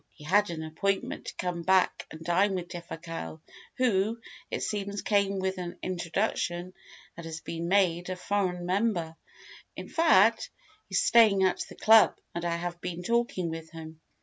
He had an appointment to come back and dine with Defasquelle who, it seems, came with an introduction and has been made a foreign member. In fact, he's staying at the club, and I have been talking with him.